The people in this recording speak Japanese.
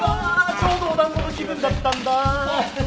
ちょうどお団子の気分だったんだ！